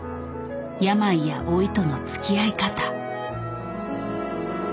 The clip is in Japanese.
病や老いとのつきあい方。